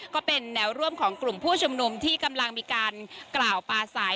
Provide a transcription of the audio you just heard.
ก็เป็นแนวร่วมของกลุ่มผู้ชุมนุมที่กำลังมีการกล่าวปลาสาย